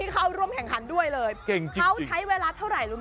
เขาใช้เวลาเท่าไหร่